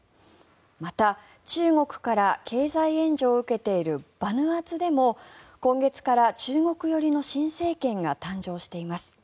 また中国から経済援助を受けているバヌアツでも今月から中国寄りの新政権が誕生しています。